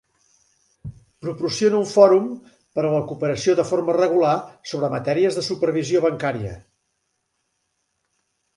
Proporciona un fòrum per a la cooperació de forma regular sobre matèries de supervisió bancària.